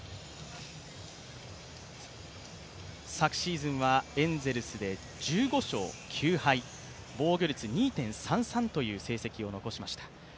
昨シーズンはエンゼルスで１５勝９敗防御率２．３３という成績を残しました。